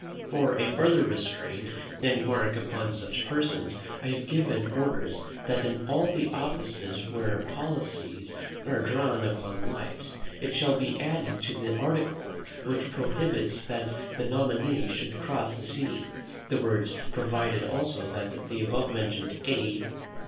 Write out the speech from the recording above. For a further restraint and mark upon such persons, I have given orders, that in all the offices where policies are drawn upon lives, it shall be added to the article which prohibits that the nominee should cross the sea, the words, "Provided also, that the above mentioned A.